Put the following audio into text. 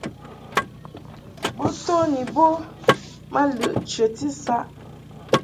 Bo to ni bo ma lɨʼ chəti saʼ.